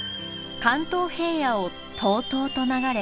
関東平野をとうとうと流れ